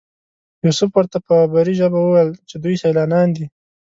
یوسف ورته په عبري ژبه وویل چې دوی سیلانیان دي.